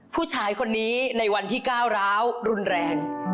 ผู้ชายคนนี้ในวันที่ก้าวร้าวรุนแรง